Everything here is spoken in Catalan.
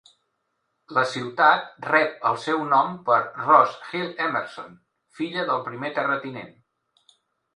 La ciutat rep el seu nom per Rose Hill Emerson, filla del primer terratinent.